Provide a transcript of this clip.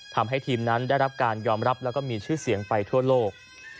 ทำให้ทีมนั้นได้รับการยอมรับแล้วก็มีชื่อเสียงไปทั่วโลก